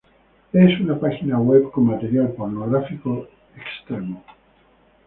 Es una página web con material pornográfico y extremo.